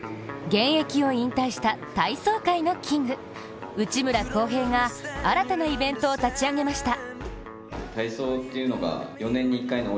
現役を引退した体操界のキング、内村航平が新たなイベントを立ち上げました。